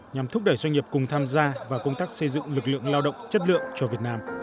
nhằm thúc đẩy doanh nghiệp cùng tham gia vào công tác xây dựng lực lượng lao động chất lượng cho việt nam